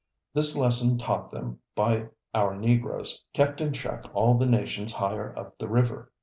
This lesson taught them by our Negroes, kept in check all the nations higher up the river."